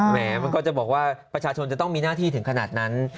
มันก็จะบอกว่าประชาชนจะต้องมีหน้าที่ถึงขนาดนั้น